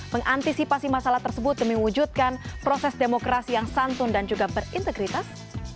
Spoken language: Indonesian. mengantisipasi masalah tersebut demi mewujudkan proses demokrasi yang santun dan juga berintegritas